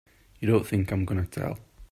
You don't think I'm gonna tell!